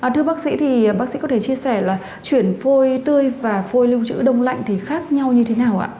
thưa bác sĩ thì bác sĩ có thể chia sẻ là chuyển phôi tươi và phôi lưu trữ đông lạnh thì khác nhau như thế nào ạ